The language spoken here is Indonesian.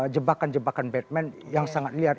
jebakan jebakan batman yang sangat liar